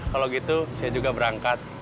kalau gitu saya juga berangkat